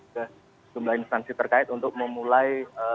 ke sejumlah instansi terkait untuk memulai